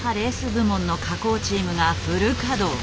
部門の加工チームがフル稼働。